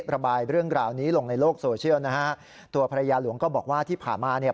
ระบายเรื่องราวนี้ลงในโลกโซเชียลนะฮะตัวภรรยาหลวงก็บอกว่าที่ผ่านมาเนี่ย